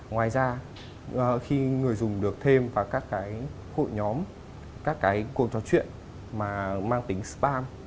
ngoài ra khi người dùng được thêm vào các hội nhóm các cuộc trò chuyện mang tính spam